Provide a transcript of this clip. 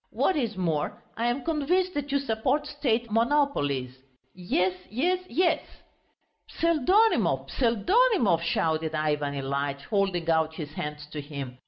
What is more, I am convinced that you support State monopolies.... Yes, yes, yes!" "Pseldonimov, Pseldonimov," shouted Ivan Ilyitch, holding out his hands to him.